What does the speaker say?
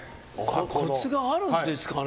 コツがあるんですかね。